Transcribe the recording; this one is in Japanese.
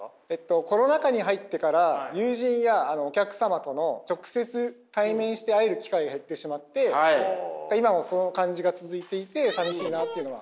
コロナ禍に入ってから友人やお客様との直接対面して会える機会が減ってしまって今もその感じが続いていて寂しいなっていうのは。